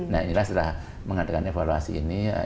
nah inilah setelah mengadakan evaluasi ini